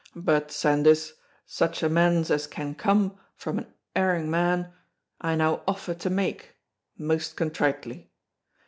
But, Sandys, such amends as can come from an erring man I now offer to make most contritely.